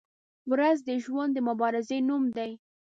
• ورځ د ژوند د مبارزې نوم دی.